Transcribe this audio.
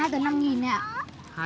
hai tờ năm đấy ạ